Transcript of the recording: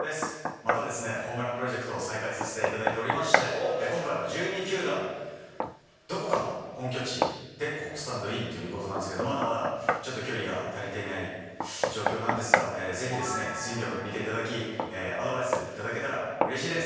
またですね、ホームランプロジェクトを再開させていただいておりまして、今回は１２球団どこかの本拠地でスタンドインということなんですけど、まだまだちょっと距離が足りていない状況なんですが、ぜひスイングを見ていただき、アドバイス頂けたらうれしいです。